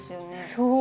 そう。